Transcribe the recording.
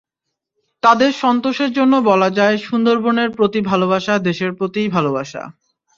তাঁদের সন্তোষের জন্য বলা যায়, সুন্দরবনের প্রতি ভালোবাসা দেশের প্রতিই ভালোবাসা।